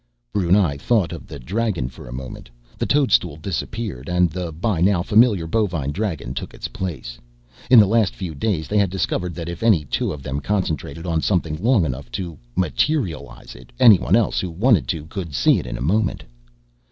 Brunei thought of the dragon for a moment. The toadstool disappeared, and the by now familiar bovine dragon took its place. In the last few days, they had discovered that if any two of them concentrated on something long enough to "materialize" it, anyone else who wanted to could see it in a moment.